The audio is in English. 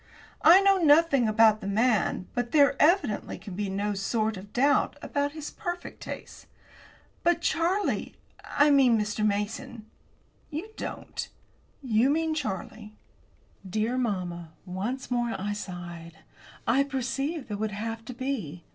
I know nothing about the man, but there, evidently, can be no sort of doubt about his perfect taste." "But, Charlie I mean, Mr. Mason." "You don't you mean Charlie." Dear mamma, once more I sighed. I perceived that it would have to be.